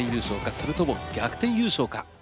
それとも逆転優勝か？